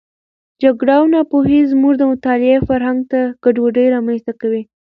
جګړه او ناپوهي زموږ د مطالعې فرهنګ ته ګډوډي رامنځته کړې.